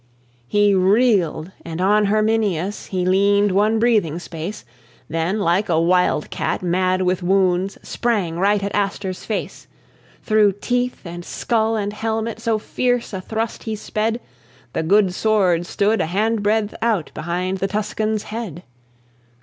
He reeled, and on Herminius He leaned one breathing space; Then, like a wildcat mad with wounds, Sprang right at Astur's face. Through teeth, and skull, and helmet, So fierce a thrust he sped, The good sword stood a handbreadth out Behind the Tuscan's head.